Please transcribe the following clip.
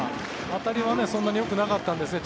当たりはそんなによくなかったんですね。